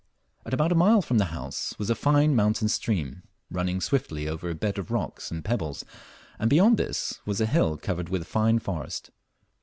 About half a mile from the house was a fine mountain stream, running swiftly over a bed of rocks and pebbles, and beyond this was a hill covered with fine forest.